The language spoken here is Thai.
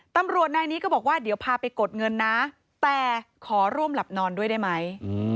ตำรวจนายนี้ก็บอกว่าเดี๋ยวพาไปกดเงินนะแต่ขอร่วมหลับนอนด้วยได้ไหม